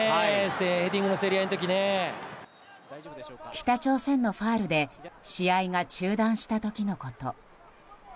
北朝鮮のファウルで試合が中断した時のこと。